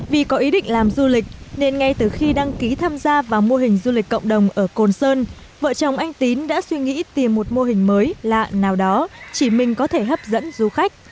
vì có ý định làm du lịch nên ngay từ khi đăng ký tham gia vào mô hình du lịch cộng đồng ở cồn sơn vợ chồng anh tín đã suy nghĩ tìm một mô hình mới lạ nào đó chỉ mình có thể hấp dẫn du khách